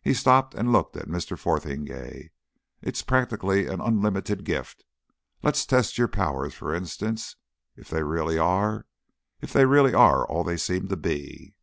He stopped and looked at Mr. Fotheringay. "It's practically an unlimited gift. Let us test your powers, for instance. If they really are ... If they really are all they seem to be."